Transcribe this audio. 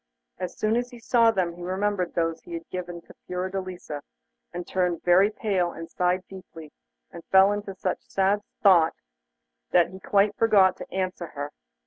As soon as he saw them he remembered those he had given to Fiordelisa, and turned very pale and sighed deeply, and fell into such sad thought that he quite forgot to answer her.